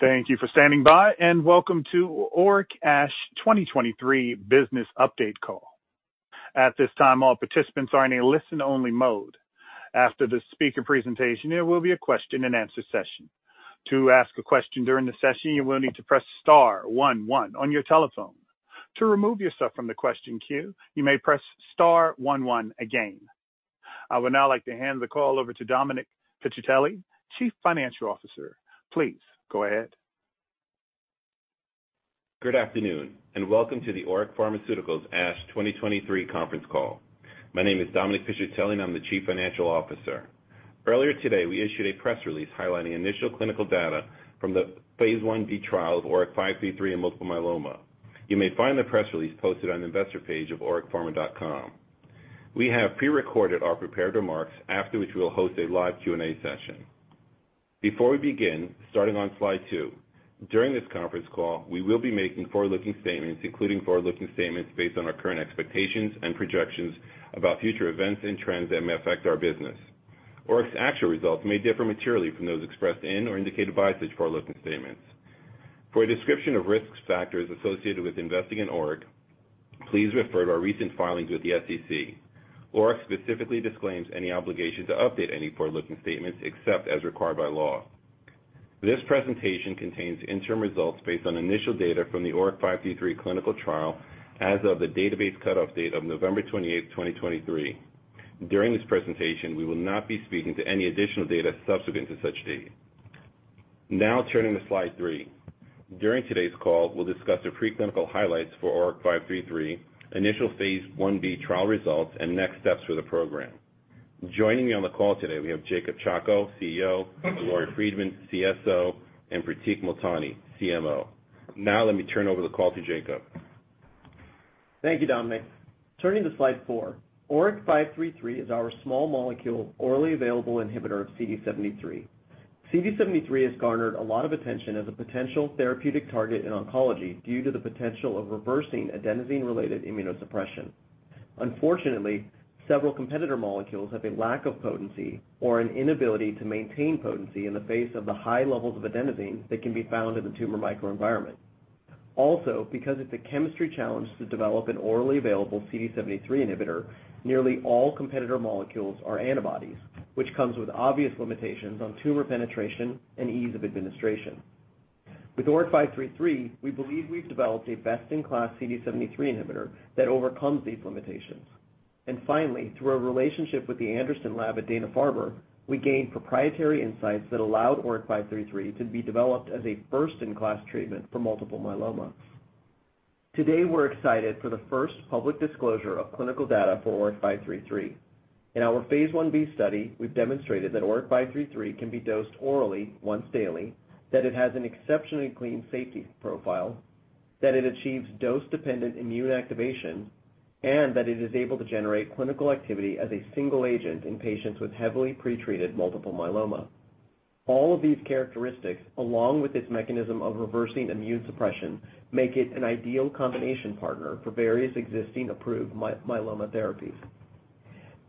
Thank you for standing by, and welcome to ORIC ASH 2023 Business Update Call. At this time, all participants are in a listen-only mode. After the speaker presentation, there will be a question-and-answer session. To ask a question during the session, you will need to press star one one on your telephone. To remove yourself from the question queue, you may press star one one again. I would now like to hand the call over to Dominic Piscitelli, Chief Financial Officer. Please go ahead. Good afternoon, and welcome to the ORIC Pharmaceuticals ASH 2023 conference call. My name is Dominic Piscitelli, and I'm the Chief Financial Officer. Earlier today, we issued a press release highlighting initial clinical data from the phase I-B trial of ORIC-533 in multiple myeloma. You may find the press release posted on the investor page of oricpharma.com. We have pre-recorded our prepared remarks, after which we will host a live Q&A session. Before we begin, starting on slide two, during this conference call, we will be making forward-looking statements, including forward-looking statements based on our current expectations and projections about future events and trends that may affect our business. ORIC's actual results may differ materially from those expressed in or indicated by such forward-looking statements. For a description of risk factors associated with investing in ORIC, please refer to our recent filings with the SEC. ORIC specifically disclaims any obligation to update any forward-looking statements except as required by law. This presentation contains interim results based on initial data from the ORIC-533 clinical trial as of the database cutoff date of November 28, 2023. During this presentation, we will not be speaking to any additional data subsequent to such date. Now turning to slide three. During today's call, we'll discuss the preclinical highlights for ORIC-533, initial phase I-B trial results, and next steps for the program. Joining me on the call today, we have Jacob Chacko, CEO, Lori Friedman, CSO, and Pratik Multani, CMO. Now let me turn over the call to Jacob. Thank you, Dominic. Turning to slide four. ORIC-533 is our small molecule, orally available inhibitor of CD73. CD73 has garnered a lot of attention as a potential therapeutic target in oncology due to the potential of reversing adenosine-related immunosuppression. Unfortunately, several competitor molecules have a lack of potency or an inability to maintain potency in the face of the high levels of adenosine that can be found in the tumor microenvironment. Also, because it's a chemistry challenge to develop an orally available CD73 inhibitor, nearly all competitor molecules are antibodies, which comes with obvious limitations on tumor penetration and ease of administration. With ORIC-533, we believe we've developed a best-in-class CD73 inhibitor that overcomes these limitations. And finally, through our relationship with the Anderson Lab at Dana-Farber, we gained proprietary insights that allowed ORIC-533 to be developed as a first-in-class treatment for multiple myeloma. Today, we're excited for the first public disclosure of clinical data for ORIC-533. In our phase 1b study, we've demonstrated that ORIC-533 can be dosed orally once daily, that it has an exceptionally clean safety profile, that it achieves dose-dependent immune activation, and that it is able to generate clinical activity as a single agent in patients with heavily pretreated multiple myeloma. All of these characteristics, along with its mechanism of reversing immune suppression, make it an ideal combination partner for various existing approved myeloma therapies.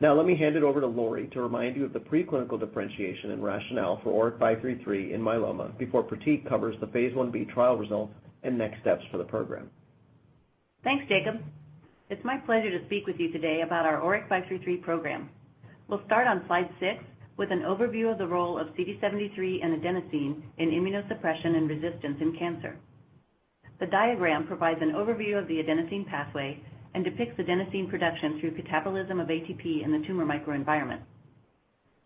Now, let me hand it over to Lori to remind you of the preclinical differentiation and rationale for ORIC-533 in myeloma before Pratik covers the phase 1b trial results and next steps for the program. Thanks, Jacob. It's my pleasure to speak with you today about our ORIC-533 program. We'll start on slide six with an overview of the role of CD73 and adenosine in immunosuppression and resistance in cancer. The diagram provides an overview of the adenosine pathway and depicts adenosine production through catabolism of ATP in the tumor microenvironment.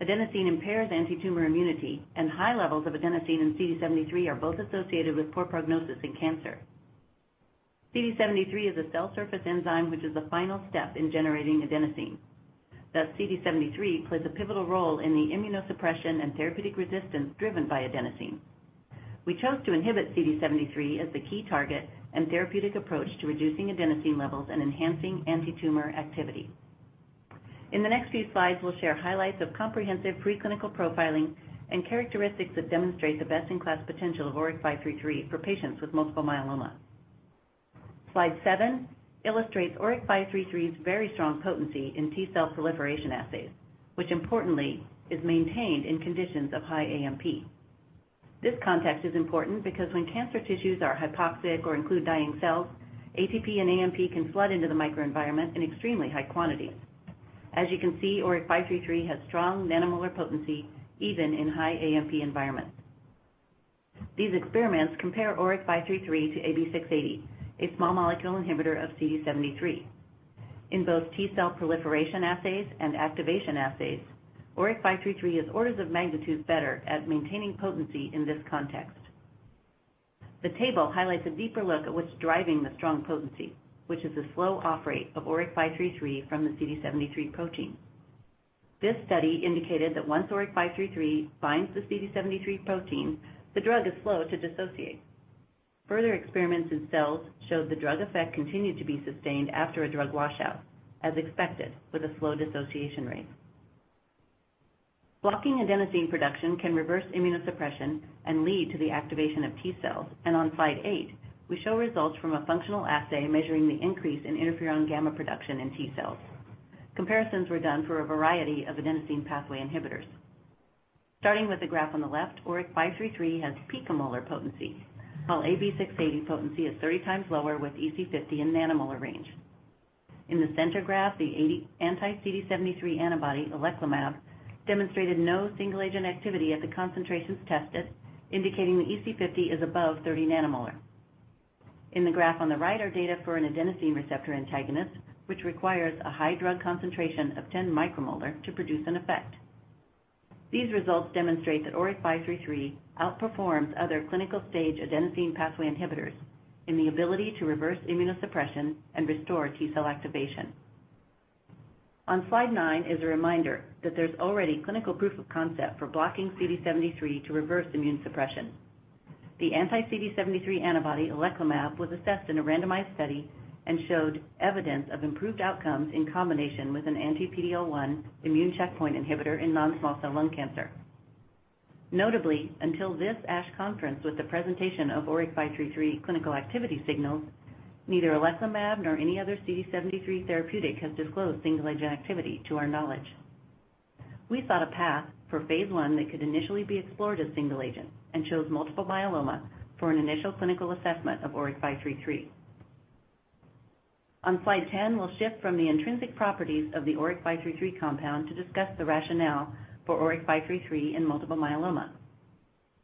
Adenosine impairs antitumor immunity, and high levels of adenosine and CD73 are both associated with poor prognosis in cancer. CD73 is a cell surface enzyme, which is the final step in generating adenosine. Thus, CD73 plays a pivotal role in the immunosuppression and therapeutic resistance driven by adenosine. We chose to inhibit CD73 as the key target and therapeutic approach to reducing adenosine levels and enhancing antitumor activity. In the next few slides, we'll share highlights of comprehensive preclinical profiling and characteristics that demonstrate the best-in-class potential of ORIC-533 for patients with multiple myeloma. Slide seven illustrates ORIC-533 very strong potency in T-cell proliferation assays, which importantly is maintained in conditions of high AMP. This context is important because when cancer tissues are hypoxic or include dying cells, ATP and AMP can flood into the microenvironment in extremely high quantities. As you can see, ORIC-533 has strong nanomolar potency, even in high AMP environments. These experiments compare ORIC-533 to AB680, a small molecule inhibitor of CD73. In both T-cell proliferation assays and activation assays, ORIC-533 is orders of magnitude better at maintaining potency in this context. The table highlights a deeper look at what's driving the strong potency, which is the slow off rate of ORIC-533 from the CD73 protein. This study indicated that once ORIC-533 binds the CD73 protein, the drug is slow to dissociate. Further experiments in cells showed the drug effect continued to be sustained after a drug washout, as expected with a slow dissociation rate. Blocking adenosine production can reverse immunosuppression and lead to the activation of T-cells, and on slide eight, we show results from a functional assay measuring the increase in interferon gamma production in T-cells. Comparisons were done for a variety of adenosine pathway inhibitors. Starting with the graph on the left, ORIC-533 has picomolar potency, while AB680 potency is 30 times lower, with EC50 in nanomolar range. In the center graph, the anti-CD73 antibody, oleclumab, demonstrated no single-agent activity at the concentrations tested, indicating the EC50 is above 30 nanomolar. In the graph on the right are data for an adenosine receptor antagonist, which requires a high drug concentration of 10 micromolar to produce an effect. These results demonstrate that ORIC-533 outperforms other clinical-stage adenosine pathway inhibitors in the ability to reverse immunosuppression and restore T-cell activation. On Slide nine is a reminder that there's already clinical proof of concept for blocking CD73 to reverse immune suppression. The anti-CD73 antibody, oleclumab, was assessed in a randomized study and showed evidence of improved outcomes in combination with an anti-PD-L1 immune checkpoint inhibitor in non-small cell lung cancer. Notably, until this ASH conference, with the presentation of ORIC-533 clinical activity signals, neither oleclumab nor any other CD73 therapeutic has disclosed single-agent activity, to our knowledge. We thought a path for phase I that could initially be explored as single agent and chose multiple myeloma for an initial clinical assessment of ORIC-533. On Slide 10, we'll shift from the intrinsic properties of the ORIC-533 compound to discuss the rationale for ORIC-533 in multiple myeloma.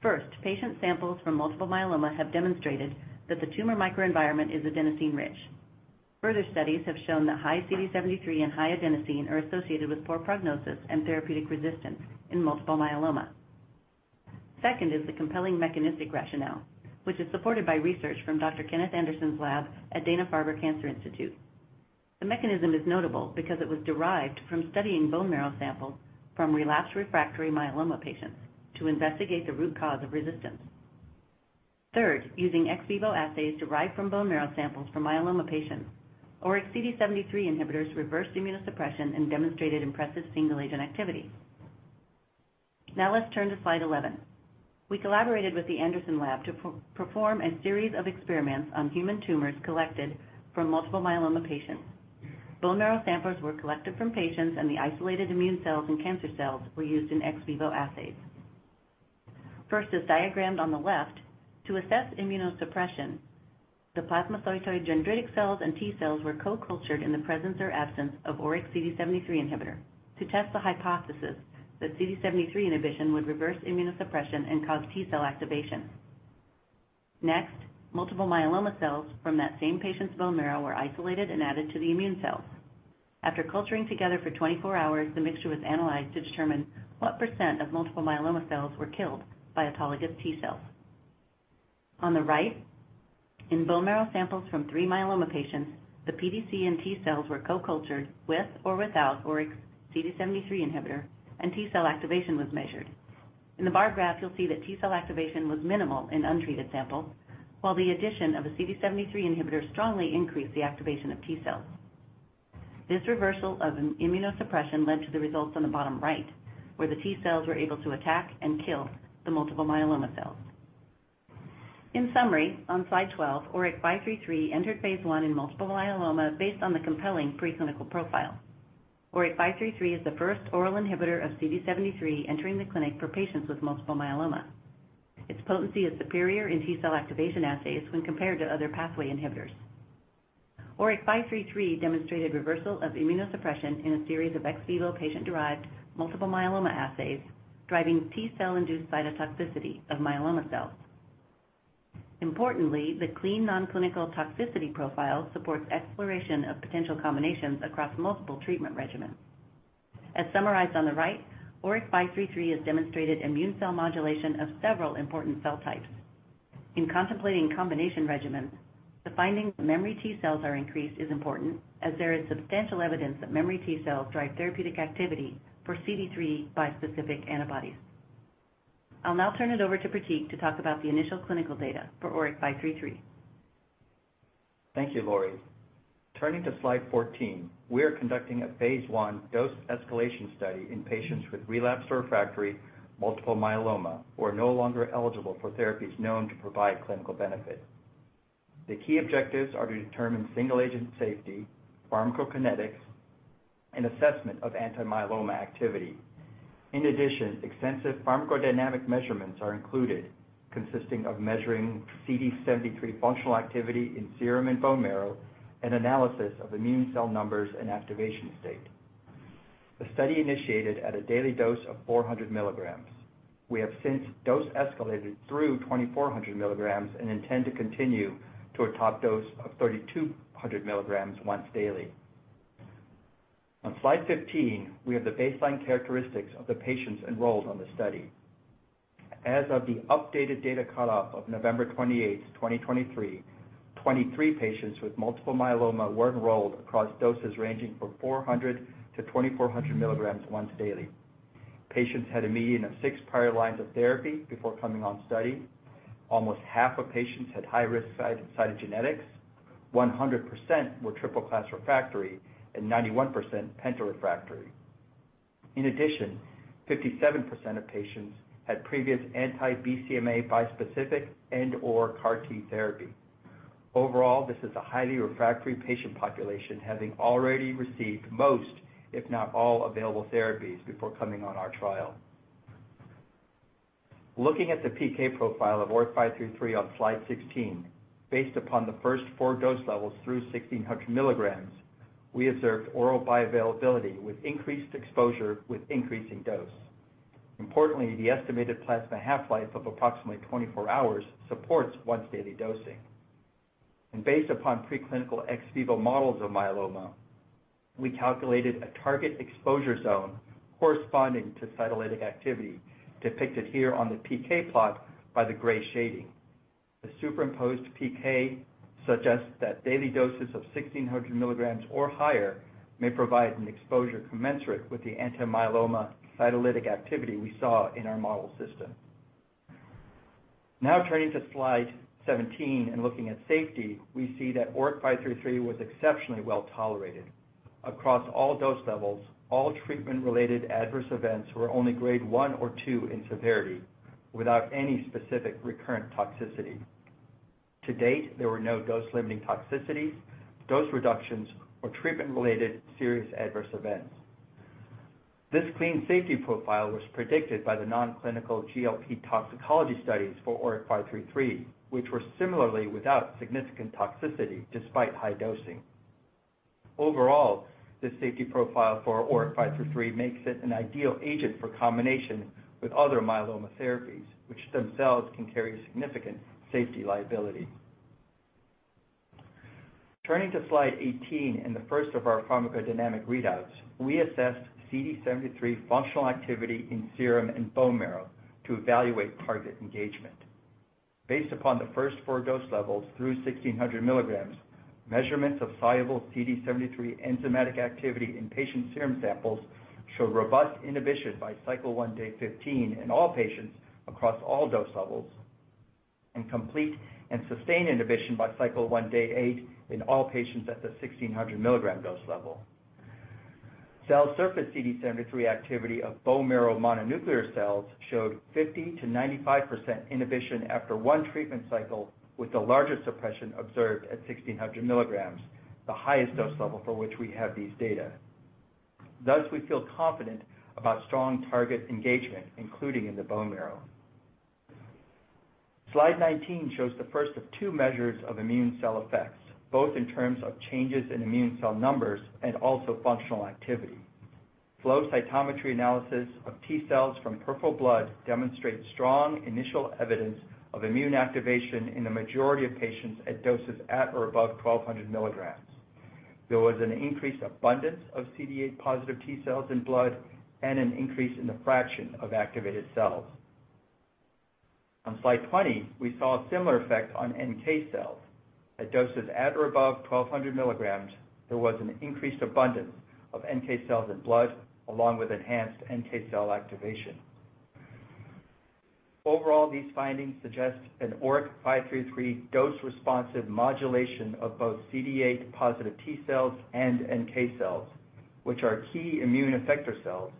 First, patient samples from multiple myeloma have demonstrated that the tumor microenvironment is adenosine-rich. Further studies have shown that high CD73 and high adenosine are associated with poor prognosis and therapeutic resistance in multiple myeloma. Second is the compelling mechanistic rationale, which is supported by research from Dr. Kenneth Anderson's lab at Dana-Farber Cancer Institute. The mechanism is notable because it was derived from studying bone marrow samples from relapsed refractory myeloma patients to investigate the root cause of resistance. Third, using ex vivo assays derived from bone marrow samples from myeloma patients, ORIC CD73 inhibitors reversed immunosuppression and demonstrated impressive single-agent activity. Now let's turn to Slide 11. We collaborated with the Anderson lab to perform a series of experiments on human tumors collected from multiple myeloma patients. Bone marrow samples were collected from patients, and the isolated immune cells and cancer cells were used in ex vivo assays. First, as diagrammed on the left, to assess immunosuppression, the plasmacytoid dendritic cells and T-cells were co-cultured in the presence or absence of ORIC CD73 inhibitor to test the hypothesis that CD73 inhibition would reverse immunosuppression and cause T-cell activation. Next, multiple myeloma cells from that same patient's bone marrow were isolated and added to the immune cells. After culturing together for 24 hours, the mixture was analyzed to determine what % of multiple myeloma cells were killed by autologous T-cells. On the right, in bone marrow samples from three myeloma patients, the PDC and T-cells were co-cultured with or without ORIC CD73 inhibitor, and T-cell activation was measured. In the bar graph, you'll see that T-cell activation was minimal in untreated samples, while the addition of a CD73 inhibitor strongly increased the activation of T-cells. This reversal of an immunosuppression led to the results on the bottom right, where the T-cells were able to attack and kill the multiple myeloma cells. In summary, on Slide 12, ORIC-533 entered phase 1 in multiple myeloma based on the compelling preclinical profile. ORIC-533 is the first oral inhibitor of CD73 entering the clinic for patients with multiple myeloma. Its potency is superior in T-cell activation assays when compared to other pathway inhibitors. ORIC-533 demonstrated reversal of immunosuppression in a series of ex vivo patient-derived multiple myeloma assays, driving T-cell-induced cytotoxicity of myeloma cells. Importantly, the clean non-clinical toxicity profile supports exploration of potential combinations across multiple treatment regimens. As summarized on the right, ORIC-533 has demonstrated immune cell modulation of several important cell types. In contemplating combination regimens, the finding that memory T-cells are increased is important, as there is substantial evidence that memory T-cells drive therapeutic activity for CD3 bispecific antibodies. I'll now turn it over to Pratik to talk about the initial clinical data for ORIC-533. Thank you, Lori. Turning to Slide 14, we are conducting a phase I dose escalation study in patients with relapsed or refractory multiple myeloma, who are no longer eligible for therapies known to provide clinical benefit. The key objectives are to determine single-agent safety, pharmacokinetics, and assessment of anti-myeloma activity. In addition, extensive pharmacodynamic measurements are included, consisting of measuring CD73 functional activity in serum and bone marrow and analysis of immune cell numbers and activation state. The study initiated at a daily dose of 400 mg. We have since dose escalated through 2,400 mg and intend to continue to a top dose of 3,200 mg once daily. On Slide 15, we have the baseline characteristics of the patients enrolled on the study. As of the updated data cutoff of November 28, 2023, 23 patients with multiple myeloma were enrolled across doses ranging from 400-2,400 mg once daily. Patients had a median of six prior lines of therapy before coming on study. Almost half of patients had high-risk cytogenetics, 100% were triple-class refractory, and 91% penta-refractory. In addition, 57% of patients had previous anti-BCMA bispecific and/or CAR-T therapy. Overall, this is a highly refractory patient population, having already received most, if not all, available therapies before coming on our trial. Looking at the PK profile of ORIC-533 on Slide 16, based upon the first four dose levels through 1,600 mg, we observed oral bioavailability with increased exposure with increasing dose. Importantly, the estimated plasma half-life of approximately 24 hours supports once daily dosing. Based upon preclinical ex vivo models of myeloma, we calculated a target exposure zone corresponding to cytolytic activity, depicted here on the PK plot by the gray shading. The superimposed PK suggests that daily doses of 1600 mg or higher may provide an exposure commensurate with the anti-myeloma cytolytic activity we saw in our model system. Now turning to Slide 17 and looking at safety, we see that ORIC-533 was exceptionally well tolerated. Across all dose levels, all treatment-related adverse events were only grade 1 or 2 in severity, without any specific recurrent toxicity. To date, there were no dose-limiting toxicities, dose reductions, or treatment-related serious adverse events. This clean safety profile was predicted by the non-clinical GLP toxicology studies for ORIC-533, which were similarly without significant toxicity despite high dosing. Overall, the safety profile for ORIC-533 makes it an ideal agent for combination with other myeloma therapies, which themselves can carry significant safety liability. Turning to Slide 18 and the first of our pharmacodynamic readouts, we assessed CD73 functional activity in serum and bone marrow to evaluate target engagement. Based upon the first four dose levels through 1,600 milligrams, measurements of soluble CD73 enzymatic activity in patient serum samples showed robust inhibition by cycle 1, day 15 in all patients across all dose levels, and complete and sustained inhibition by cycle 1, day 8 in all patients at the 1,600 mg dose level. Cell surface CD73 activity of bone marrow mononuclear cells showed 50%-95% inhibition after one treatment cycle, with the largest suppression observed at 1,600 mg, the highest dose level for which we have these data. Thus, we feel confident about strong target engagement, including in the bone marrow. Slide 19 shows the first of two measures of immune cell effects, both in terms of changes in immune cell numbers and also functional activity. Flow cytometry analysis of T-cells from peripheral blood demonstrates strong initial evidence of immune activation in the majority of patients at doses at or above 1,200 mg. There was an increased abundance of CD8 positive T-cells in blood and an increase in the fraction of activated cells. On Slide 20, we saw a similar effect on NK-cells. At doses at or above 1,200 mg, there was an increased abundance of NK-cells in blood, along with enhanced NK-cell activation. Overall, these findings suggest an ORIC-533 dose-responsive modulation of both CD8 positive T-cells and NK-cells, which are key immune effector cells,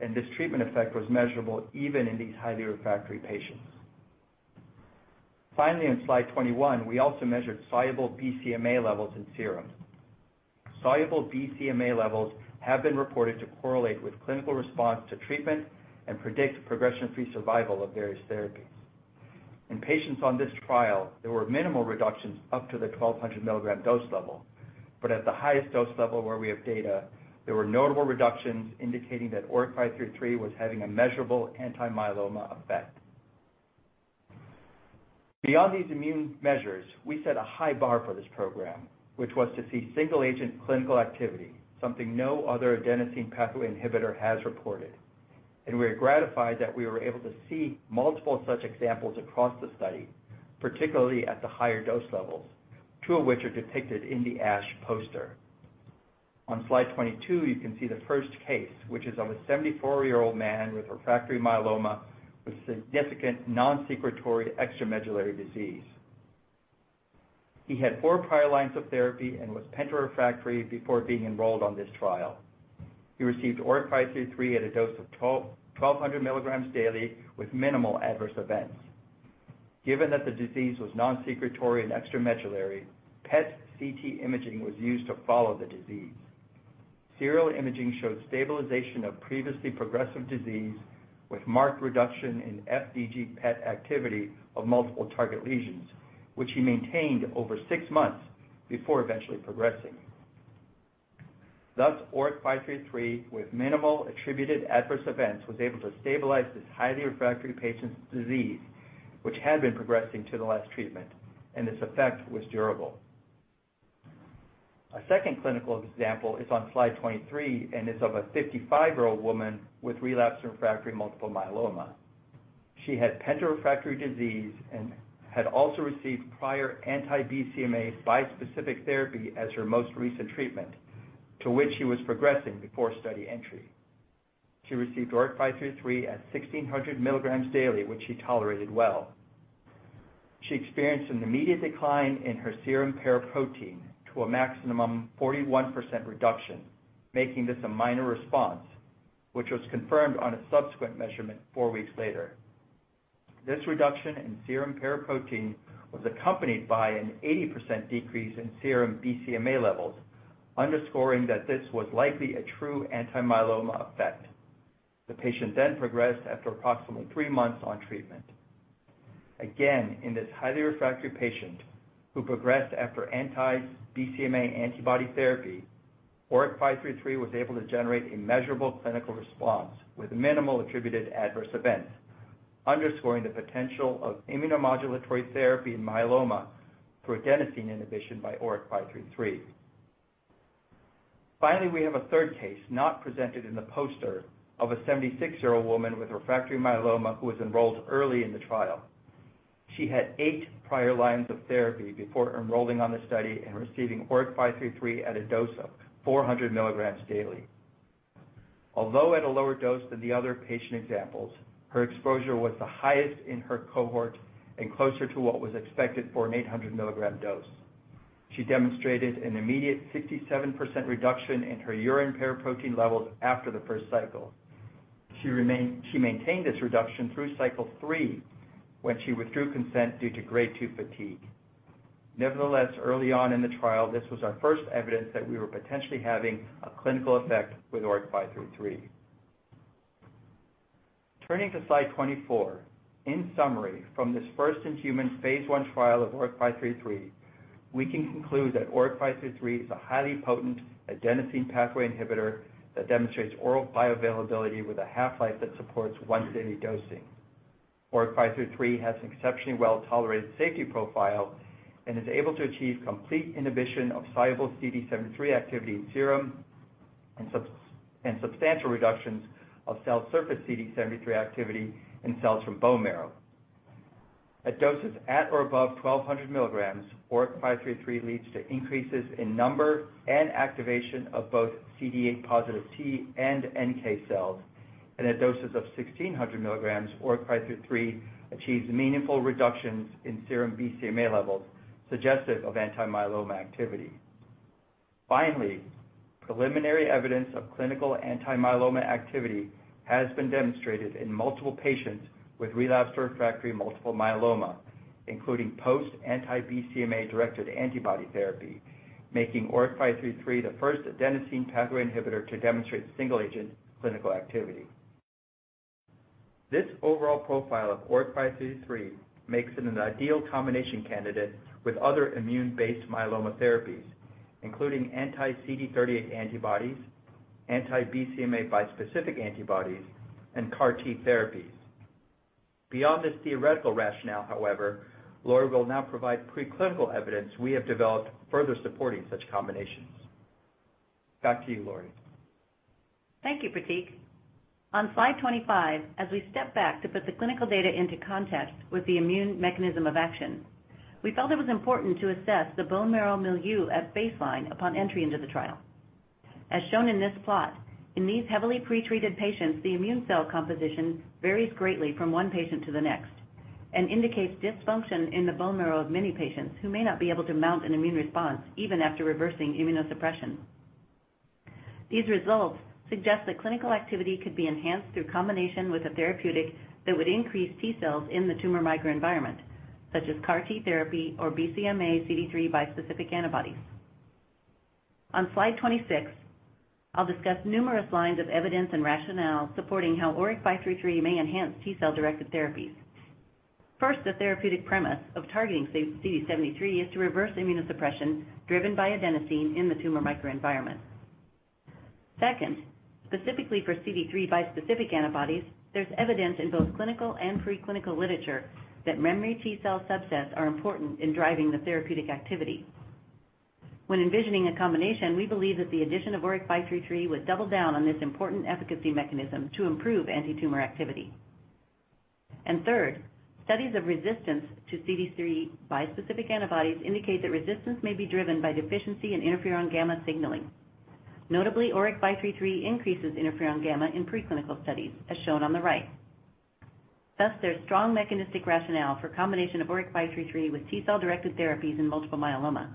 and this treatment effect was measurable even in these highly refractory patients. Finally, on Slide 21, we also measured soluble BCMA levels in serum. Soluble BCMA levels have been reported to correlate with clinical response to treatment and predict progression-free survival of various therapies. In patients on this trial, there were minimal reductions up to the 1,200 mg dose level, but at the highest dose level where we have data, there were notable reductions indicating that ORIC-533 was having a measurable anti-myeloma effect. Beyond these immune measures, we set a high bar for this program, which was to see single-agent clinical activity, something no other adenosine pathway inhibitor has reported. We are gratified that we were able to see multiple such examples across the study, particularly at the higher dose levels, two of which are depicted in the ASH poster. On Slide 22, you can see the first case, which is of a 74-year-old man with refractory myeloma with significant non-secretory extramedullary disease. He had four prior lines of therapy and was penta-refractory before being enrolled on this trial. He received ORIC-533 at a dose of 1200 mg daily with minimal adverse events. Given that the disease was non-secretory and extramedullary, PET CT imaging was used to follow the disease. Serial imaging showed stabilization of previously progressive disease with marked reduction in FDG PET activity of multiple target lesions, which he maintained over 6 months before eventually progressing. Thus, ORIC-533, with minimal attributed adverse events, was able to stabilize this highly refractory patient's disease, which had been progressing to the last treatment, and this effect was durable. A second clinical example is on Slide 23 and is of a 55-year-old woman with relapsed refractory multiple myeloma. She had penta-refractory disease and had also received prior anti-BCMA bispecific therapy as her most recent treatment, to which she was progressing before study entry. She received ORIC-533 at 1,600 mg daily, which she tolerated well. She experienced an immediate decline in her serum paraprotein to a maximum 41% reduction, making this a minor response, which was confirmed on a subsequent measurement four weeks later. This reduction in serum paraprotein was accompanied by an 80% decrease in serum BCMA levels, underscoring that this was likely a true anti-myeloma effect. The patient then progressed after approximately three months on treatment. Again, in this highly refractory patient, who progressed after anti-BCMA antibody therapy, ORIC-533 was able to generate a measurable clinical response with minimal attributed adverse events, underscoring the potential of immunomodulatory therapy in myeloma through adenosine inhibition by ORIC-533. Finally, we have a third case, not presented in the poster, of a 76-year-old woman with refractory myeloma who was enrolled early in the trial. She had eight prior lines of therapy before enrolling on the study and receiving ORIC-533 at a dose of 400 mg daily. Although at a lower dose than the other patient examples, her exposure was the highest in her cohort and closer to what was expected for an 800 mg dose. She demonstrated an immediate 67% reduction in her urine paraprotein levels after the first cycle. She remained, she maintained this reduction through cycle 3, when she withdrew consent due to grade 2 fatigue. Nevertheless, early on in the trial, this was our first evidence that we were potentially having a clinical effect with ORIC-533. Turning to slide 24, in summary, from this first-in-human phase 1 trial of ORIC-533, we can conclude that ORIC-533 is a highly potent adenosine pathway inhibitor that demonstrates oral bioavailability with a half-life that supports once-daily dosing. ORIC-533 has an exceptionally well-tolerated safety profile and is able to achieve complete inhibition of soluble CD73 activity in serum and and substantial reductions of cell surface CD73 activity in cells from bone marrow. At doses at or above 1200 mg, ORIC-533 leads to increases in number and activation of both CD8 positive T-cells and NK cells, and at doses of 1600 mg, ORIC-533 achieves meaningful reductions in serum BCMA levels, suggestive of anti-myeloma activity. Finally, preliminary evidence of clinical anti-myeloma activity has been demonstrated in multiple patients with relapsed or refractory multiple myeloma, including post anti-BCMA-directed antibody therapy, making ORIC-533 the first adenosine pathway inhibitor to demonstrate single-agent clinical activity. This overall profile of ORIC-533 makes it an ideal combination candidate with other immune-based myeloma therapies, including anti-CD38 antibodies, anti-BCMA bispecific antibodies, and CAR-T therapies. Beyond this theoretical rationale, however, Lori will now provide preclinical evidence we have developed further supporting such combinations. Back to you, Lori. Thank you, Pratik. On slide 25, as we step back to put the clinical data into context with the immune mechanism of action, we felt it was important to assess the bone marrow milieu at baseline upon entry into the trial. As shown in this plot, in these heavily pretreated patients, the immune cell composition varies greatly from one patient to the next and indicates dysfunction in the bone marrow of many patients, who may not be able to mount an immune response even after reversing immunosuppression. These results suggest that clinical activity could be enhanced through combination with a therapeutic that would increase T-cells in the tumor microenvironment, such as CAR-T therapy-or BCMA CD3 bispecific antibodies. On slide 26, I'll discuss numerous lines of evidence and rationale supporting how ORIC-533 may enhance T cell-directed therapies. First, the therapeutic premise of targeting CD73 is to reverse immunosuppression driven by adenosine in the tumor microenvironment. Second, specifically for CD3 bispecific antibodies, there's evidence in both clinical and preclinical literature that memory T-cell subsets are important in driving the therapeutic activity. When envisioning a combination, we believe that the addition of ORIC-533 would double down on this important efficacy mechanism to improve antitumor activity. And third, studies of resistance to CD3 bispecific antibodies indicate that resistance may be driven by deficiency in interferon gamma signaling. Notably, ORIC-533 increases interferon gamma in preclinical studies, as shown on the right. Thus, there's strong mechanistic rationale for combination of ORIC-533 with T-cell-directed therapies in multiple myeloma,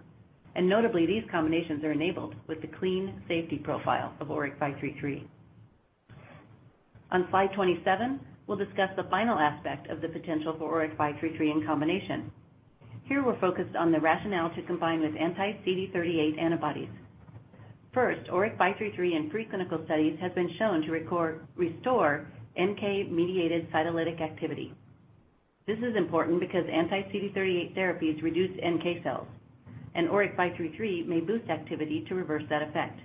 and notably, these combinations are enabled with the clean safety profile of ORIC-533. On slide 27, we'll discuss the final aspect of the potential for ORIC-533 in combination. Here, we're focused on the rationale to combine with anti-CD38 antibodies. First, ORIC-533 in preclinical studies has been shown to restore NK-mediated cytolytic activity. This is important because anti-CD38 therapies reduce NK-cells, and ORIC-533 may boost activity to reverse that effect.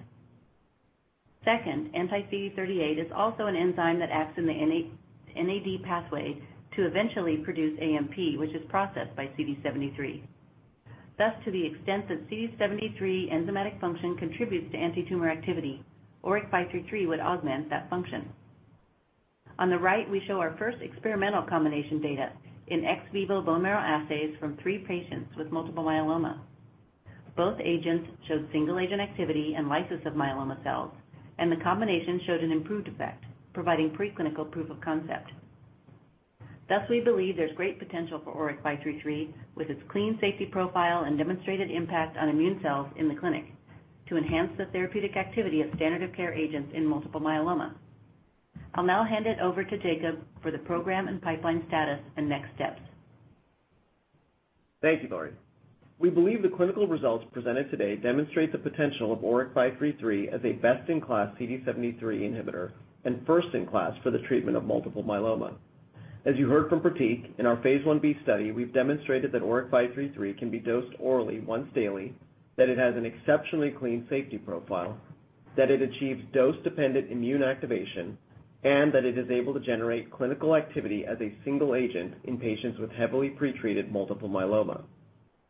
Second, anti-CD38 is also an enzyme that acts in the NAD pathway to eventually produce AMP, which is processed by CD73. Thus, to the extent that CD73 enzymatic function contributes to antitumor activity, ORIC-533 would augment that function. On the right, we show our first experimental combination data in ex vivo bone marrow assays from three patients with multiple myeloma. Both agents showed single-agent activity and lysis of myeloma cells, and the combination showed an improved effect, providing preclinical proof of concept. Thus, we believe there's great potential for ORIC-533, with its clean safety profile and demonstrated impact on immune cells in the clinic, to enhance the therapeutic activity of standard of care agents in multiple myeloma. I'll now hand it over to Jacob for the program and pipeline status and next steps. Thank you, Lori. We believe the clinical results presented today demonstrate the potential of ORIC-533 as a best-in-class CD73 inhibitor and first-in-class for the treatment of multiple myeloma. As you heard from Pratik, in our phase I-B study, we've demonstrated that ORIC-533 can be dosed orally once daily, that it has an exceptionally clean safety profile, that it achieves dose-dependent immune activation, and that it is able to generate clinical activity as a single agent in patients with heavily pretreated multiple myeloma.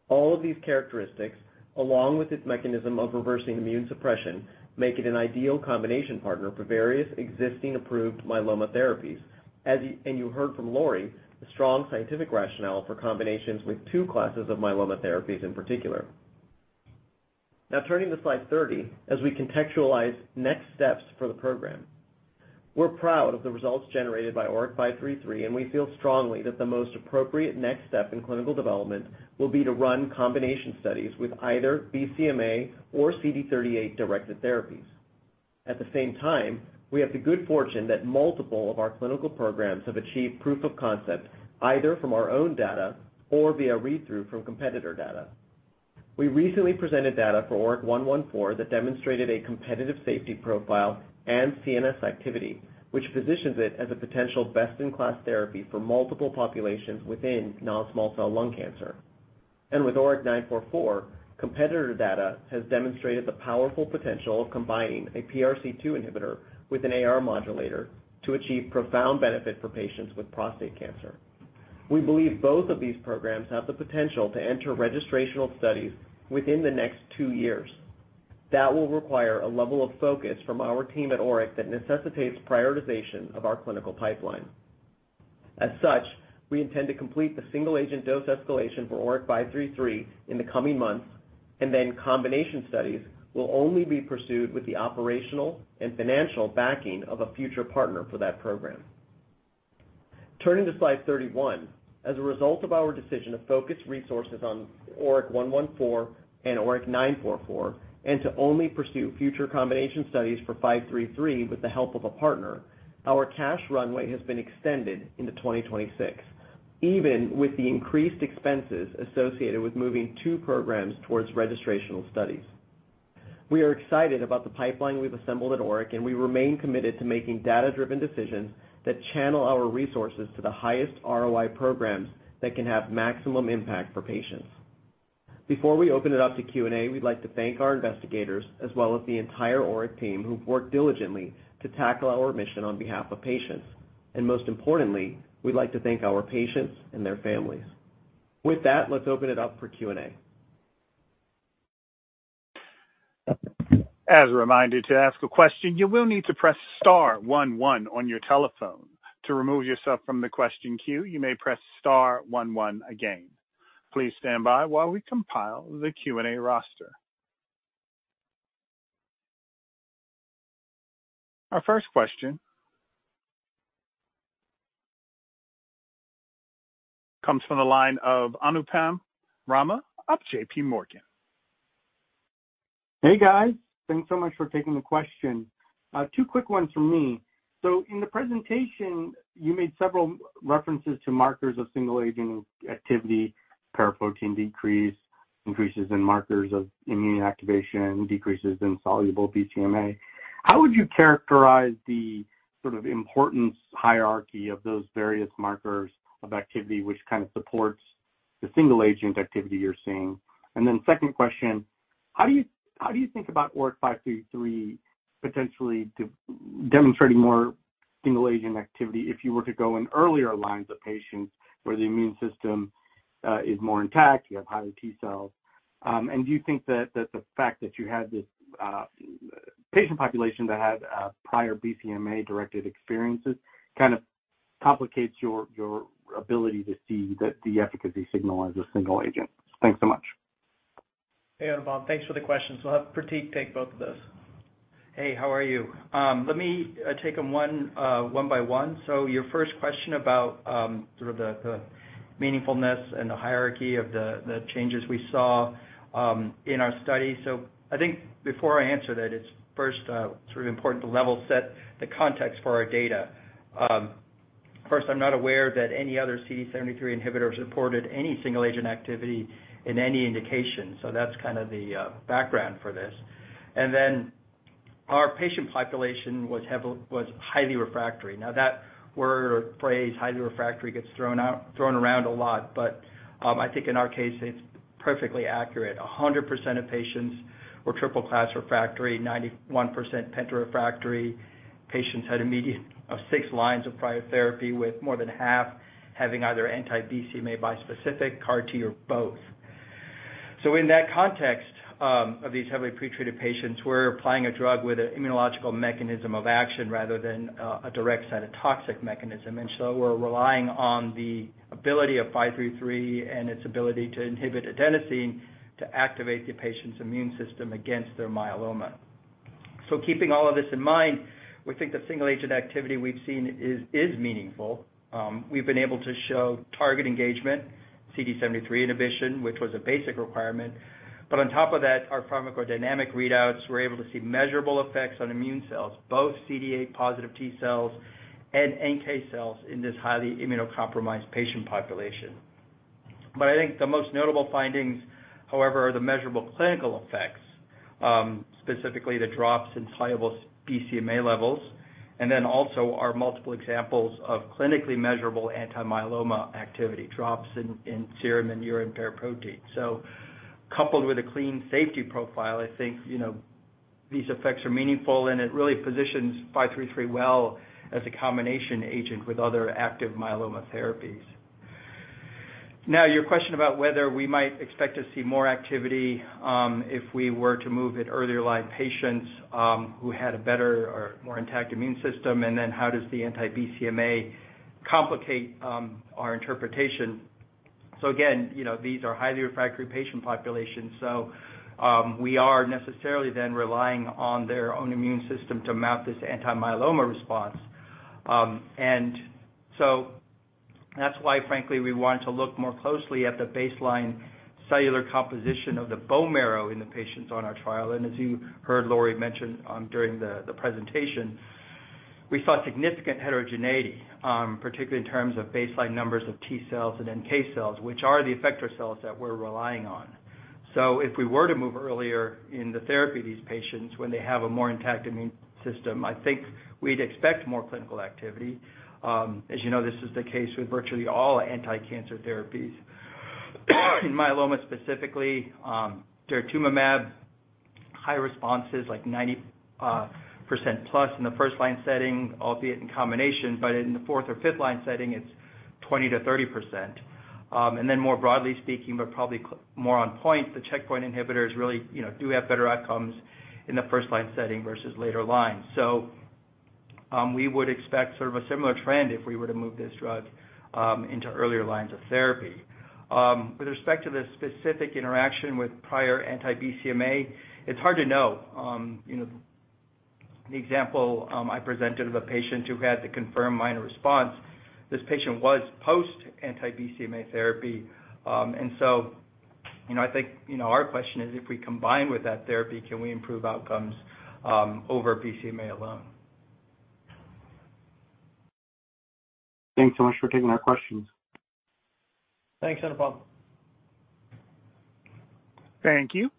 All of these characteristics, along with its mechanism of reversing immune suppression, make it an ideal combination partner for various existing approved myeloma therapies. As you heard from Lori, the strong scientific rationale for combinations with two classes of myeloma therapies in particular. Now, turning to Slide 30, as we contextualize next steps for the program, we're proud of the results generated by ORIC-533, and we feel strongly that the most appropriate next step in clinical development will be to run combination studies with either BCMA or CD38-directed therapies. At the same time, we have the good fortune that multiple of our clinical programs have achieved proof of concept, either from our own data or via read-through from competitor data. We recently presented data for ORIC-114 that demonstrated a competitive safety profile and CNS activity, which positions it as a potential best-in-class therapy for multiple populations within non-small cell lung cancer. And with ORIC-944, competitor data has demonstrated the powerful potential of combining a PRC2 inhibitor with an AR modulator to achieve profound benefit for patients with prostate cancer. We believe both of these programs have the potential to enter registrational studies within the next two years. That will require a level of focus from our team at ORIC that necessitates prioritization of our clinical pipeline. As such, we intend to complete the single-agent dose escalation for ORIC-533 in the coming months, and then combination studies will only be pursued with the operational and financial backing of a future partner for that program. Turning to Slide 31, as a result of our decision to focus resources on ORIC-114 and ORIC-944, and to only pursue future combination studies for 533 with the help of a partner, our cash runway has been extended into 2026, even with the increased expenses associated with moving two programs towards registrational studies. We are excited about the pipeline we've assembled at ORIC, and we remain committed to making data-driven decisions that channel our resources to the highest ROI programs that can have maximum impact for patients. Before we open it up to Q&A, we'd like to thank our investigators, as well as the entire ORIC team, who've worked diligently to tackle our mission on behalf of patients. Most importantly, we'd like to thank our patients and their families. With that, let's open it up for Q&A. As a reminder, to ask a question, you will need to press star one one on your telephone. To remove yourself from the question queue, you may press star one one again. Please stand by while we compile the Q&A roster. Our first question comes from the line of Anupam Rama of JPMorgan. Hey, guys. Thanks so much for taking the question. Two quick ones from me. So in the presentation, you made several references to markers of single-agent activity, paraprotein decrease, increases in markers of immune activation, decreases in soluble BCMA. How would you characterize the sort of importance hierarchy of those various markers of activity, which kind of supports the single-agent activity you're seeing? And then second question, how do you think about ORIC-533 potentially demonstrating more single-agent activity if you were to go in earlier lines of patients where the immune system is more intact, you have higher T-cells? And do you think that the fact that you had this patient population that had prior BCMA-directed experiences kind of complicates your ability to see the efficacy signal as a single agent? Thanks so much. Hey, Anupam. Thanks for the questions. We'll have Pratik take both of those. Hey, how are you? Let me take them one by one. So your first question about sort of the meaningfulness and the hierarchy of the changes we saw in our study. So I think before I answer that, it's first sort of important to level set the context for our data. First, I'm not aware that any other CD73 inhibitor has reported any single-agent activity in any indication, so that's kind of the background for this. And then our patient population was heavily-- was highly refractory. Now, that word or phrase, highly refractory, gets thrown out-- thrown around a lot, but I think in our case, it's perfectly accurate. 100% of patients were triple-class refractory, 91% penta-refractory. Patients had a median of six lines of prior therapy, with more than half having either anti-BCMA bispecific, CAR-T, or both. So in that context, of these heavily pretreated patients, we're applying a drug with an immunological mechanism of action rather than a direct cytotoxic mechanism. And so we're relying on the ability of ORIC-533 and its ability to inhibit adenosine to activate the patient's immune system against their myeloma. So keeping all of this in mind, we think the single-agent activity we've seen is meaningful. We've been able to show target engagement, CD73 inhibition, which was a basic requirement. But on top of that, our pharmacodynamic readouts, we're able to see measurable effects on immune cells, both CD8 positive T-cells and NK-cells in this highly immunocompromised patient population. But I think the most notable findings, however, are the measurable clinical effects, specifically the drops in soluble BCMA levels, and then also our multiple examples of clinically measurable anti-myeloma activity, drops in serum and urine paraprotein. So coupled with a clean safety profile, I think, you know, these effects are meaningful, and it really positions 533 well as a combination agent with other active myeloma therapies. Now, your question about whether we might expect to see more activity, if we were to move it earlier line patients, who had a better or more intact immune system, and then how does the anti-BCMA complicate our interpretation? So again, you know, these are highly refractory patient populations, so, we are necessarily then relying on their own immune system to mount this anti-myeloma response. That's why, frankly, we want to look more closely at the baseline cellular composition of the bone marrow in the patients on our trial. As you heard Lori mention, during the presentation, we saw significant heterogeneity, particularly in terms of baseline numbers of T-cells and NK-cells, which are the effector cells that we're relying on. So if we were to move earlier in the therapy of these patients when they have a more intact immune system, I think we'd expect more clinical activity. As you know, this is the case with virtually all anticancer therapies. In myeloma, specifically, daratumumab, high responses like 90%+ in the first line setting, albeit in combination, but in the fourth or fifth line setting, it's 20%-30%. And then more broadly speaking, but probably more on point, the checkpoint inhibitors really, you know, do have better outcomes in the first line setting versus later lines. So, we would expect sort of a similar trend if we were to move this drug into earlier lines of therapy. With respect to the specific interaction with prior anti-BCMA, it's hard to know. You know, the example I presented of a patient who had the confirmed minor response, this patient was post anti-BCMA therapy. And so, you know, I think, you know, our question is, if we combine with that therapy, can we improve outcomes over BCMA alone? Thanks so much for taking our questions. Thanks, Anupam. Thank you.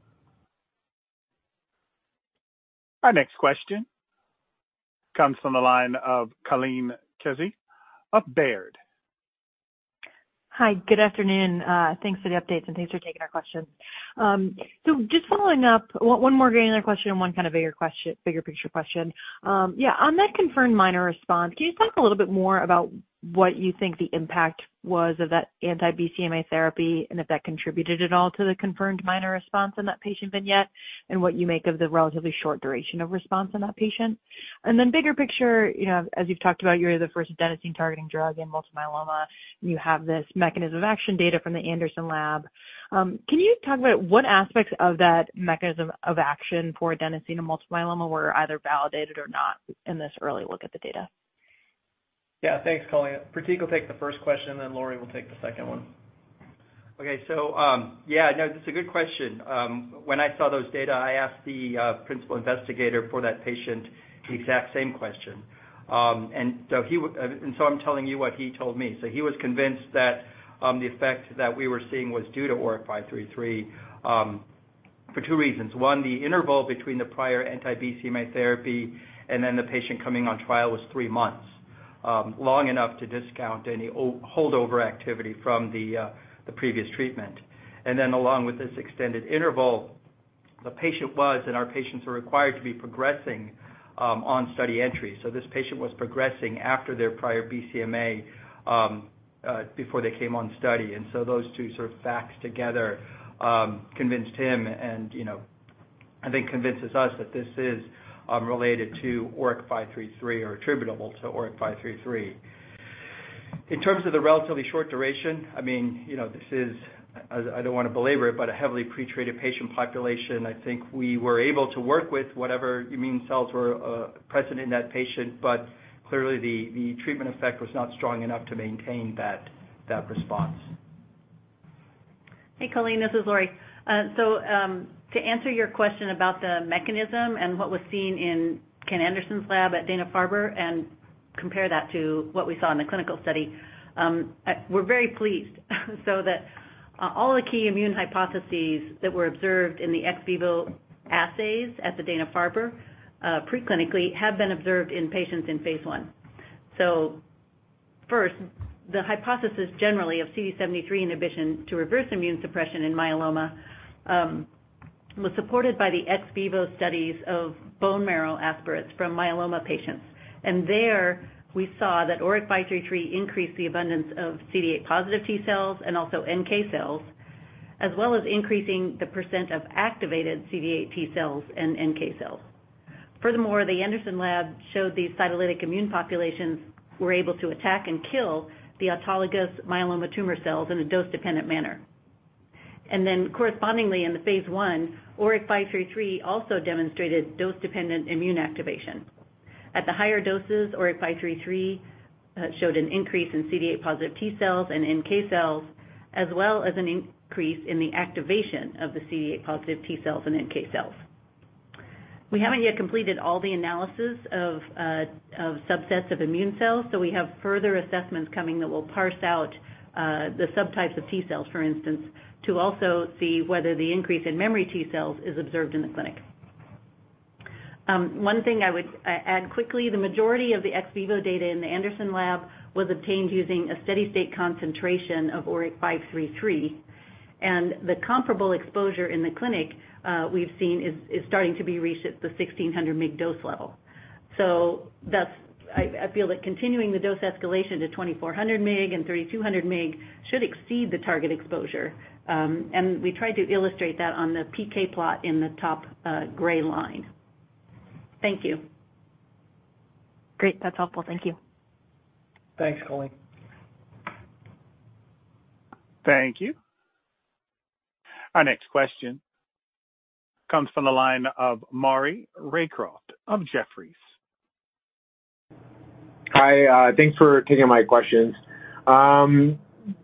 Our next question comes from the line of Colleen Kusy of Baird. Hi, good afternoon. Thanks for the updates, and thanks for taking our questions. So just following up, one more granular question and one kind of bigger question, bigger picture question. Yeah, on that confirmed minor response, can you talk a little bit more about what you think the impact was of that anti-BCMA therapy, and if that contributed at all to the confirmed minor response in that patient vignette, and what you make of the relatively short duration of response in that patient? And then bigger picture, you know, as you've talked about, you're the first adenosine-targeting drug in multiple myeloma, and you have this mechanism of action data from the Anderson lab. Can you talk about what aspects of that mechanism of action for adenosine in multiple myeloma were either validated or not in this early look at the data? Yeah, thanks, Colleen. Pratik will take the first question, and then Lori will take the second one. Okay, so, yeah, no, this is a good question. When I saw those data, I asked the principal investigator for that patient the exact same question. And so I'm telling you what he told me. So he was convinced that the effect that we were seeing was due to ORIC-533 for two reasons. One, the interval between the prior anti-BCMA therapy and then the patient coming on trial was three months, long enough to discount any holdover activity from the previous treatment. And then along with this extended interval, the patient was, and our patients were required to be progressing on study entry. So this patient was progressing after their prior BCMA, before they came on study. And so those two sort of facts together, convinced him and, you know, I think convinces us that this is, related to ORIC-533 or attributable to ORIC-533. In terms of the relatively short duration, I mean, you know, this is, I don't want to belabor it, but a heavily pretreated patient population. I think we were able to work with whatever immune cells were, present in that patient, but clearly the treatment effect was not strong enough to maintain that response. Hey, Colleen, this is Lori. So, to answer your question about the mechanism and what was seen in Kenneth Anderson's lab at Dana-Farber, and compare that to what we saw in the clinical study, we're very pleased. So that, all the key immune hypotheses that were observed in the ex vivo assays at the Dana-Farber, preclinically, have been observed in patients in phase one. So first, the hypothesis generally of CD73 inhibition to reverse immune suppression in myeloma, was supported by the ex vivo studies of bone marrow aspirates from myeloma patients. And there we saw that ORIC-533 increased the abundance of CD8 positive T-cells and also NK-cells, as well as increasing the percent of activated CD8 T-cells and NK-cells. Furthermore, the Anderson Lab showed these cytolytic immune populations were able to attack and kill the autologous myeloma tumor cells in a dose-dependent manner. Then correspondingly in the phase I, ORIC-533 also demonstrated dose-dependent immune activation. At the higher doses, ORIC-533 showed an increase in CD8 positive T-cells and NK-cells, as well as an increase in the activation of the CD8 positive T-cells and NK-cells. We haven't yet completed all the analysis of subsets of immune cells, so we have further assessments coming that will parse out the subtypes of T-cells, for instance, to also see whether the increase in memory T-cells is observed in the clinic. One thing I would add quickly, the majority of the ex vivo data in the Anderson lab was obtained using a steady state concentration of ORIC-533. And the comparable exposure in the clinic we've seen is starting to be reached at the 1600 mg dose level. So thus, I feel that continuing the dose escalation to 2400 mg and 3200 mg should exceed the target exposure. And we tried to illustrate that on the PK plot in the top gray line. Thank you. Great. That's helpful. Thank you. Thanks, Colleen. Thank you. Our next question comes from the line of Maury Raycroft of Jefferies. Hi, thanks for taking my questions.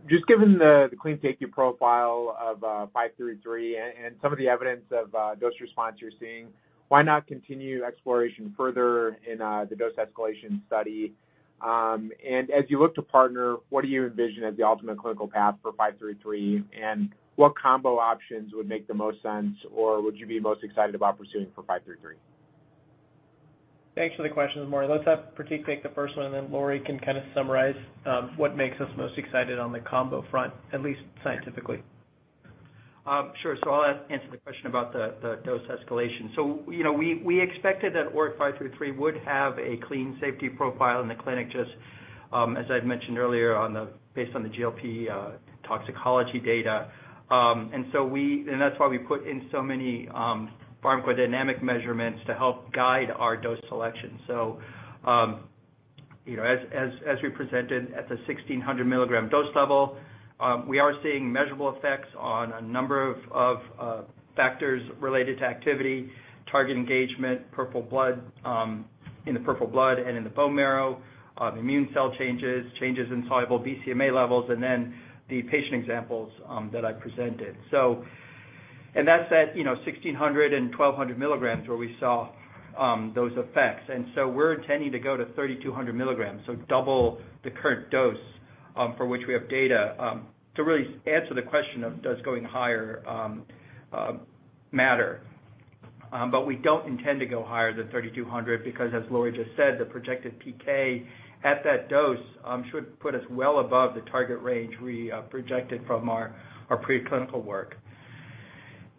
Just given the clean safety profile of 533 and some of the evidence of dose response you're seeing, why not continue exploration further in the dose escalation study? And as you look to partner, what do you envision as the ultimate clinical path for 533? And what combo options would make the most sense, or would you be most excited about pursuing for 533? Thanks for the question, Maury. Let's have Pratik take the first one, and then Lori can kinda summarize what makes us most excited on the combo front, at least scientifically. Sure. So I'll answer the question about the, the dose escalation. So, you know, we expected that ORIC-533 would have a clean safety profile in the clinic, just, as I've mentioned earlier on the. Based on the GLP toxicology data. And that's why we put in so many pharmacodynamic measurements to help guide our dose selection. So, you know, as we presented at the 1,600 milligram dose level, we are seeing measurable effects on a number of factors related to activity, target engagement, peripheral blood, in the peripheral blood and in the bone marrow, immune cell changes, changes in soluble BCMA levels, and then the patient examples that I presented. So. And that's at, you know, 1,600 and 1,200 mg, where we saw those effects. So we're intending to go to 3,200 mg, so double the current dose, for which we have data, to really answer the question of, does going higher matter? But we don't intend to go higher than 3,200, because, as Lori just said, the projected PK at that dose should put us well above the target range we projected from our preclinical work.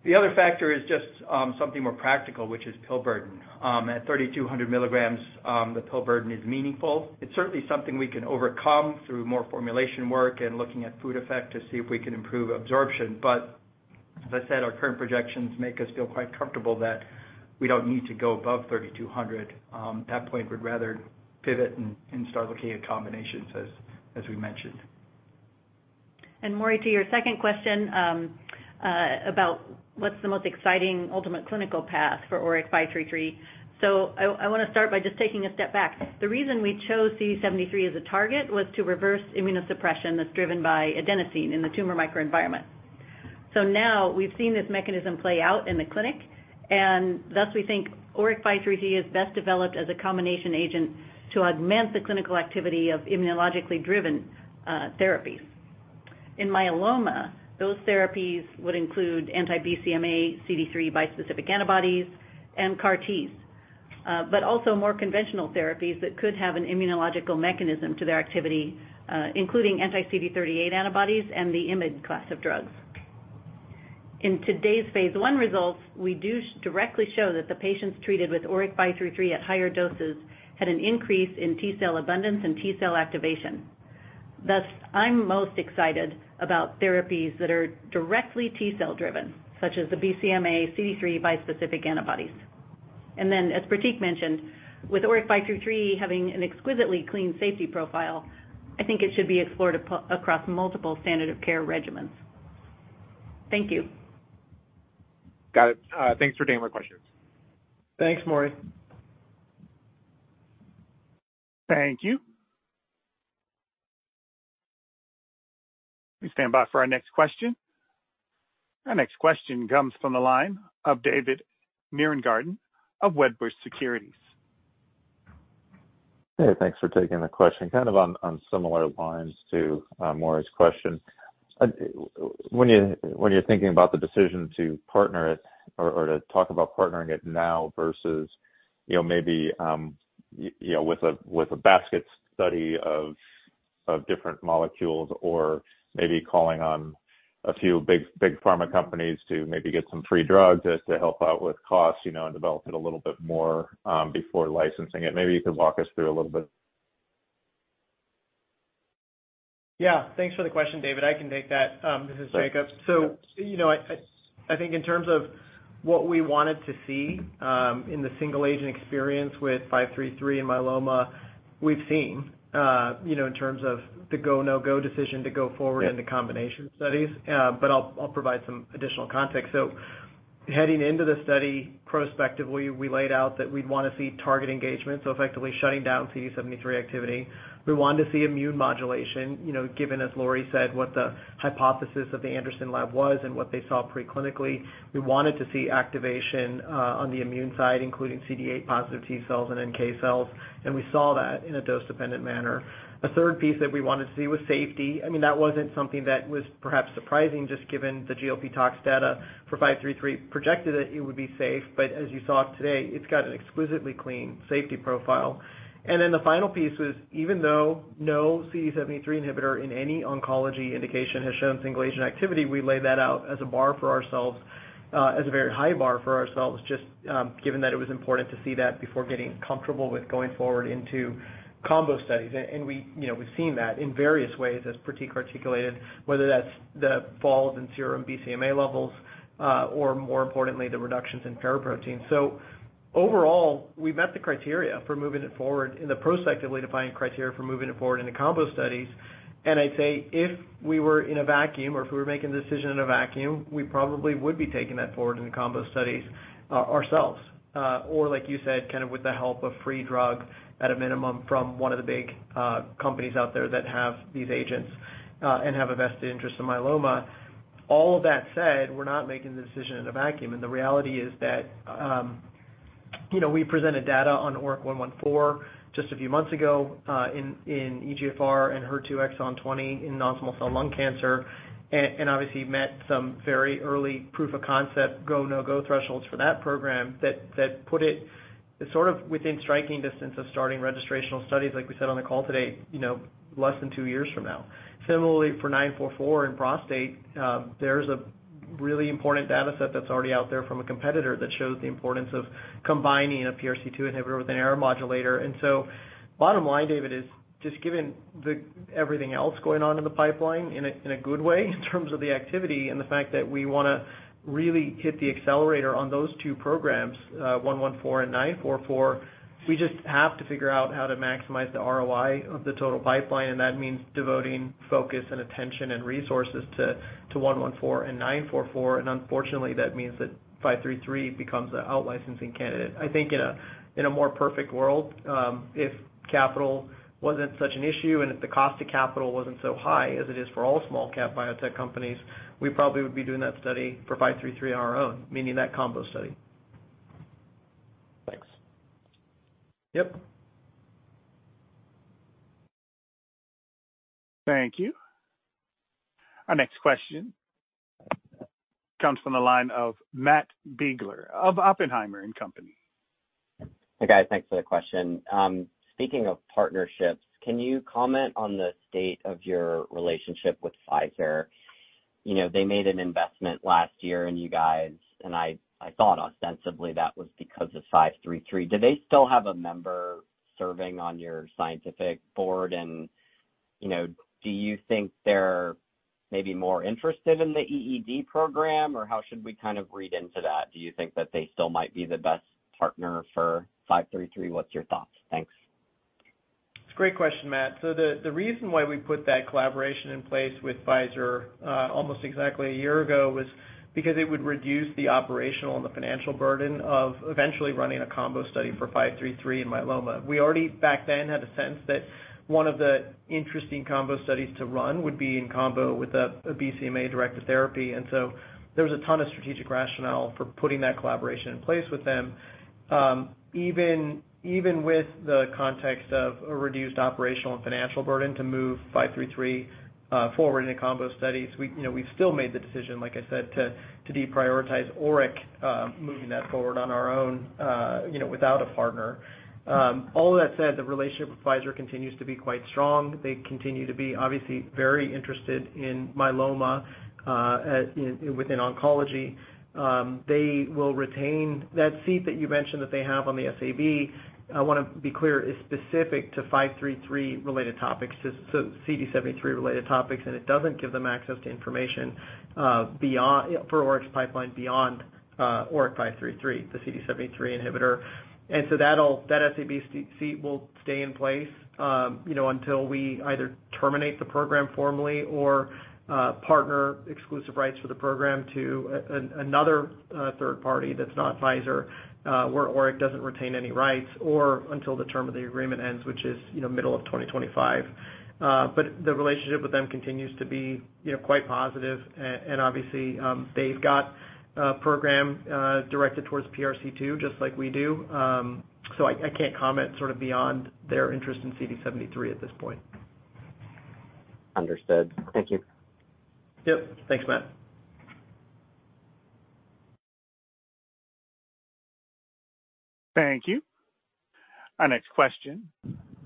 The other factor is just something more practical, which is pill burden. At 3,200 mg, the pill burden is meaningful. It's certainly something we can overcome through more formulation work and looking at food effect to see if we can improve absorption. But as I said, our current projections make us feel quite comfortable that we don't need to go above 3,200. At that point, we'd rather pivot and start looking at combinations, as we mentioned. And Maury, to your second question, about what's the most exciting ultimate clinical path for ORIC-533. So I wanna start by just taking a step back. The reason we chose CD73 as a target was to reverse immunosuppression that's driven by adenosine in the tumor microenvironment. So now we've seen this mechanism play out in the clinic, and thus we think ORIC-533 is best developed as a combination agent to augment the clinical activity of immunologically driven therapies. In myeloma, those therapies would include anti-BCMA, CD3, bispecific antibodies and CAR-Ts, but also more conventional therapies that could have an immunological mechanism to their activity, including anti-CD38 antibodies and the IMiD class of drugs. In today's phase I results, we do directly show that the patients treated with ORIC-533 at higher doses had an increase in T-cell abundance and T-cell activation. Thus, I'm most excited about therapies that are directly T-cell driven, such as the BCMA, CD3 bispecific antibodies. And then, as Pratik mentioned, with ORIC-533 having an exquisitely clean safety profile, I think it should be explored across multiple standard of care regimens. Thank you. Got it. Thanks for taking my questions. Thanks, Maury. Thank you. Please stand by for our next question. Our next question comes from the line of David Nierengarten of Wedbush Securities. Hey, thanks for taking the question. Kind of on similar lines to Maury's question. When you're thinking about the decision to partner it or to talk about partnering it now versus, you know, maybe you know, with a basket study of different molecules, or maybe calling on a few big pharma companies to maybe get some free drugs to help out with cost, you know, and develop it a little bit more, before licensing it, maybe you could walk us through a little bit. Yeah, thanks for the question, David. I can take that. This is Jacob. Sure. You know, I think in terms of what we wanted to see, in the single agent experience with 533 in myeloma, we've seen, you know, in terms of the go, no-go decision to go forward in the combination studies. But I'll provide some additional context. So heading into the study, prospectively, we laid out that we'd want to see target engagement, so effectively shutting down CD73 activity. We wanted to see immune modulation, you know, given, as Lori said, what the hypothesis of the Anderson lab was and what they saw preclinically. We wanted to see activation on the immune side, including CD8 positive T-cells and NK-cells, and we saw that in a dose-dependent manner. A third piece that we wanted to see was safety. I mean, that wasn't something that was perhaps surprising, just given the GLP tox data for 533 projected that it would be safe. But as you saw today, it's got an exquisitely clean safety profile. And then the final piece was, even though no CD73 inhibitor in any oncology indication has shown single agent activity, we laid that out as a bar for ourselves, as a very high bar for ourselves, just given that it was important to see that before getting comfortable with going forward into combo studies. And we, you know, we've seen that in various ways as Pratik articulated, whether that's the falls in serum BCMA levels, or more importantly, the reductions in paraprotein. So overall, we met the criteria for moving it forward in the prospectively defined criteria for moving it forward in the combo studies. And I'd say, if we were in a vacuum or if we were making a decision in a vacuum, we probably would be taking that forward in the combo studies, ourselves. Or like you said, kind of with the help of free drug at a minimum from one of the big, companies out there that have these agents, and have a vested interest in myeloma. All of that said, we're not making the decision in a vacuum, and the reality is that, you know, we presented data on ORIC-114 just a few months ago, in EGFR and HER2 exon 20 in non-small cell lung cancer, and obviously met some very early proof of concept go, no-go thresholds for that program that put it sort of within striking distance of starting registrational studies, like we said on the call today, you know, less than two years from now. Similarly, for ORIC-944 in prostate, there's a really important data set that's already out there from a competitor that shows the importance of combining a PRC2 inhibitor with an AR modulator. Bottom line, David, is just given the everything else going on in the pipeline, in a good way, in terms of the activity and the fact that we wanna really hit the accelerator on those two programs, 114 and 944, we just have to figure out how to maximize the ROI of the total pipeline, and that means devoting focus and attention and resources to 114 and 944. Unfortunately, that means that 533 becomes an out-licensing candidate. I think in a more perfect world, if capital wasn't such an issue and if the cost of capital wasn't so high as it is for all small-cap biotech companies, we probably would be doing that study for 533 on our own, meaning that combo study. Thanks. Yep. Thank you. Our next question comes from the line of Matt Biegler of Oppenheimer and Company. Hey, guys. Thanks for the question. Speaking of partnerships, can you comment on the state of your relationship with Pfizer? You know, they made an investment last year, and you guys, and I, I thought ostensibly that was because of 533. Do they still have a member serving on your scientific board? And, you know, do you think they're maybe more interested in the EED program, or how should we kind of read into that? Do you think that they still might be the best partner for 533? What's your thoughts? Thanks. It's a great question, Matt. So the reason why we put that collaboration in place with Pfizer, almost exactly a year ago, was because it would reduce the operational and the financial burden of eventually running a combo study for 533 in myeloma. We already, back then, had a sense that one of the interesting combo studies to run would be in combo with a BCMA-directed therapy, and so there was a ton of strategic rationale for putting that collaboration in place with them. Even with the context of a reduced operational and financial burden to move 533 forward in the combo studies, we, you know, we still made the decision, like I said, to deprioritize ORIC moving that forward on our own, you know, without a partner. All of that said, the relationship with Pfizer continues to be quite strong. They continue to be, obviously, very interested in myeloma within oncology. They will retain that seat that you mentioned, that they have on the SAB. I want to be clear, it is specific to 533-related topics, so CD73-related topics, and it doesn't give them access to information beyond for ORIC's pipeline beyond ORIC-533, the CD73 inhibitor. And so that'll, that SAB seat will stay in place, you know, until we either terminate the program formally or partner exclusive rights for the program to another third party that's not Pfizer, where ORIC doesn't retain any rights or until the term of the agreement ends, which is, you know, middle of 2025. But the relationship with them continues to be, you know, quite positive, and obviously, they've got a program directed towards PRC2, just like we do. So I can't comment sort of beyond their interest in CD73 at this point. Understood. Thank you. Yep. Thanks, Matt. Thank you. Our next question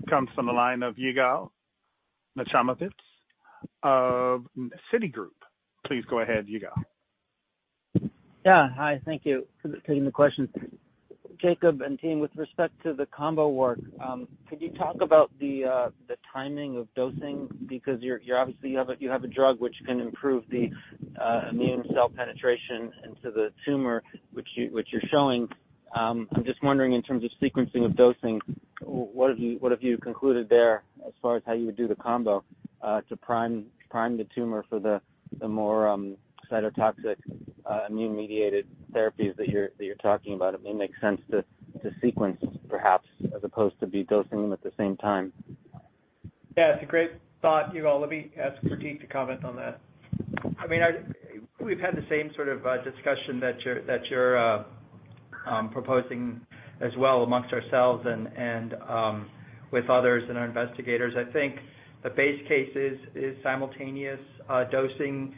comes from the line of Yigal Nochomovitz of Citigroup. Please go ahead, Yigal. Yeah. Hi, thank you for taking the questions. Jacob and team, with respect to the combo work, could you talk about the, the timing of dosing? Because you're, you're obviously you have a, you have a drug which can improve the, immune cell penetration into the tumor, which you, which you're showing. I'm just wondering, in terms of sequencing of dosing, what have you, what have you concluded there as far as how you would do the combo, to prime, prime the tumor for the, the more, cytotoxic, immune-mediated therapies that you're, that you're talking about? It may make sense to, to sequence perhaps, as opposed to be dosing them at the same time. Yeah, it's a great thought, Yigal. Let me ask for Pratik to comment on that. I mean, we've had the same sort of discussion that you're proposing as well amongst ourselves and with others and our investigators. I think the base case is simultaneous dosing.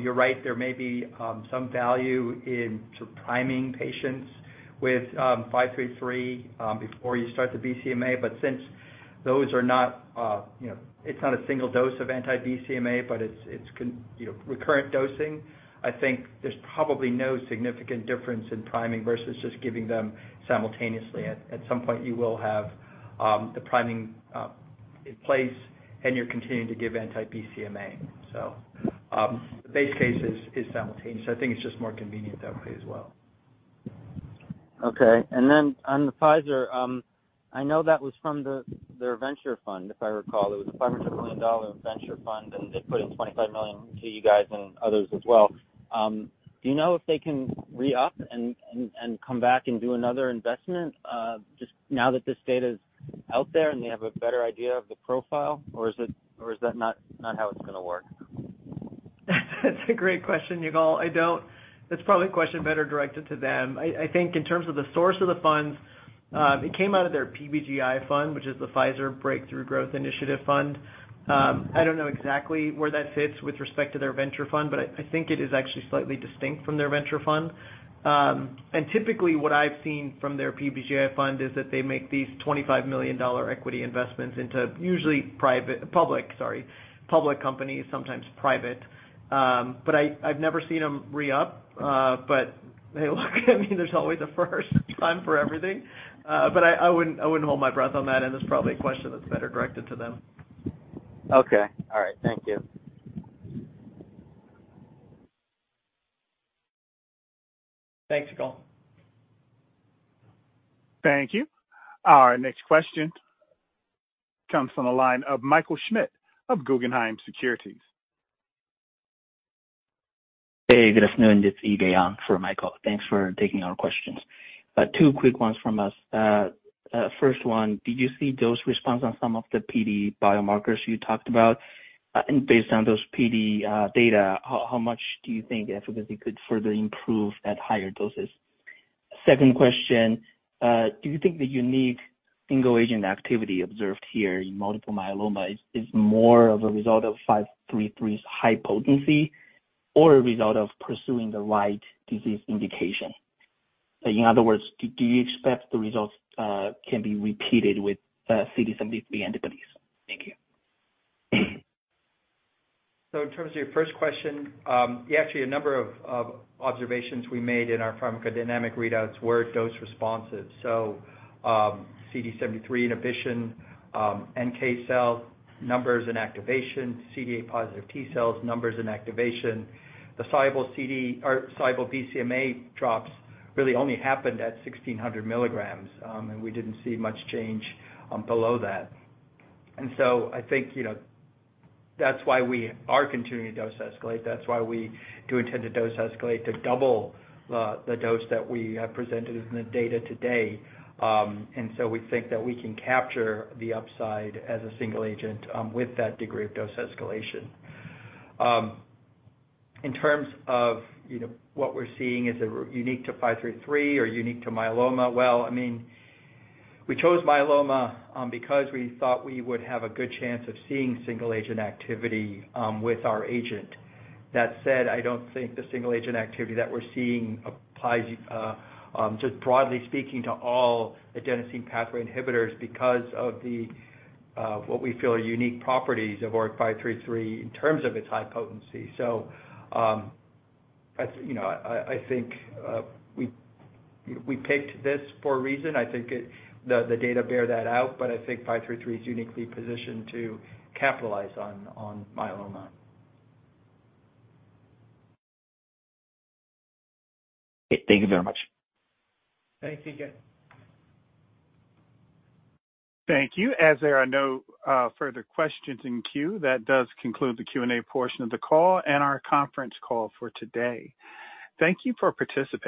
You're right, there may be some value in sort of priming patients with 533 before you start the BCMA. But since those are not, you know, it's not a single dose of anti-BCMA, but it's you know, recurrent dosing, I think there's probably no significant difference in priming versus just giving them simultaneously. At some point, you will have the priming in place, and you're continuing to give anti-BCMA. So, the base case is simultaneous. I think it's just more convenient that way as well. Okay. And then on the Pfizer, I know that was from their venture fund, if I recall. It was a $500 million venture fund, and they put in $25 million to you guys and others as well. Do you know if they can re-up and come back and do another investment just now that this data is out there, and they have a better idea of the profile? Or is it or is that not how it's gonna work? That's a great question, Yigal. I don't. That's probably a question better directed to them. I think in terms of the source of the funds, it came out of their PBGI fund, which is the Pfizer Breakthrough Growth Initiative Fund. I don't know exactly where that fits with respect to their venture fund, but I think it is actually slightly distinct from their venture fund. And typically, what I've seen from their PBGI fund is that they make these $25 million equity investments into usually public, sorry, public companies, sometimes private. But I, I've never seen them re-up. But hey, look, I mean, there's always a first time for everything. But I wouldn't, I wouldn't hold my breath on that, and that's probably a question that's better directed to them. Okay. All right. Thank you. Thanks, Yigal. Thank you. Our next question comes from the line of Michael Schmidt of Guggenheim Securities. Hey, good afternoon. This is [inaudible] on for Michael. Thanks for taking our questions. Two quick ones from us. First one, did you see dose response on some of the PD biomarkers you talked about? And based on those PD data, how much do you think efficacy could further improve at higher doses? Second question, do you think the unique single-agent activity observed here in multiple myeloma is more of a result of 533's high potency or a result of pursuing the right disease indication? In other words, do you expect the results can be repeated with CD73 antibodies? Thank you. So in terms of your first question, yeah, actually a number of observations we made in our pharmacodynamic readouts were dose responses. So, CD73 inhibition, NK-cell numbers and activation, CD8-positive T-cells, numbers and activation. The soluble BCMA drops really only happened at 1,600 milligrams, and we didn't see much change below that. And so I think, you know, that's why we are continuing to dose escalate. That's why we do intend to dose escalate to double the dose that we have presented in the data today. And so we think that we can capture the upside as a single agent with that degree of dose escalation. In terms of, you know, what we're seeing, is it unique to 533 or unique to myeloma? Well, I mean, we chose myeloma, because we thought we would have a good chance of seeing single-agent activity, with our agent. That said, I don't think the single-agent activity that we're seeing applies, just broadly speaking, to all adenosine pathway inhibitors because of the, what we feel are unique properties of ORIC-533 in terms of its high potency. So, I, you know, I, I think, we, we picked this for a reason. I think it. The data bear that out, but I think ORIC-533 is uniquely positioned to capitalize on, on myeloma. Okay, thank you very much. Thanks, Yigal. Thank you. As there are no further questions in queue, that does conclude the Q&A portion of the call and our conference call for today. Thank you for participating.